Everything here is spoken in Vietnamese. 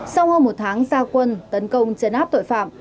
sau hơn một tháng gia quân tấn công chấn áp tội phạm